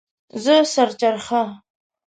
زه سر چرخه